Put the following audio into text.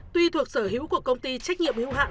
tuy thuộc sở hữu của công ty trách nhiệm hữu hạn